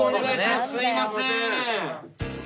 すいません。